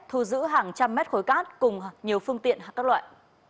thu giữ hàng trăm mét khối cát cùng nhiều phương tiện các loại